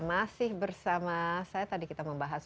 masih bersama saya tadi kita membahas